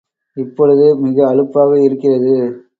இப்பொழுது மிக அலுப்பாக இருக்கிறது.